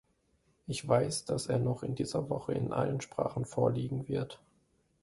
Ich weiß, dass er noch in dieser Woche in allen Sprachen vorliegen wird.